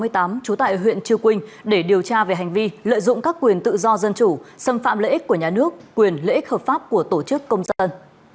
trú tại huyện chư quynh để điều tra về hành vi lợi dụng các quyền tự do dân chủ xâm phạm lợi ích của nhà nước quyền lợi ích hợp pháp của tổ chức công dân